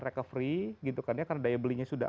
recovery gitu kan ya karena daya belinya sudah